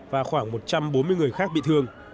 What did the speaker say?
và khoảng một trăm bốn mươi người khác bị thương